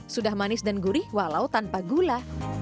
sudah manis dan gurih walau tanpa gula